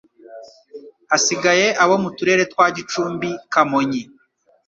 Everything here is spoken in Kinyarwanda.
Hasigaye abo mu Turere twa Gicumbi Kamonyi